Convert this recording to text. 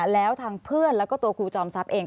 แล้วทางเพื่อนแล้วก็ตัวครูจอมทรัพย์เอง